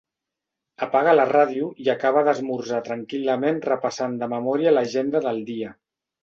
Apaga la ràdio i acaba d'esmorzar tranquil·lament repassant de memòria l'agenda del dia.